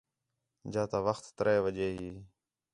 جا تا وخت تَرے وڄے ہی